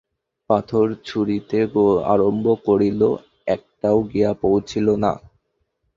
পাথর ছুঁড়িতে আরম্ভ করিল, একটাও গিয়া পৌঁছিল না।